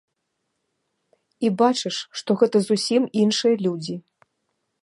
І бачыш, што гэта зусім іншыя людзі.